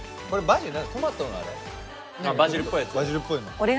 バジルっぽいの。